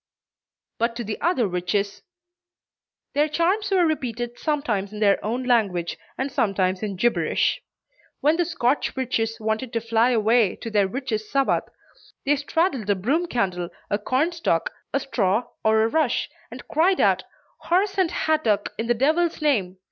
But to the other witches. Their charms were repeated sometimes in their own language and sometimes in gibberish. When the Scotch witches wanted to fly away to their "Witches' Sabbath," they straddled a broom handle, a corn stalk, a straw, or a rush, and cried out "Horse and hattock, in the Devil's name!"